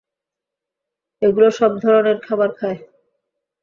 এগুলো সব ধরনের খাবার খায়।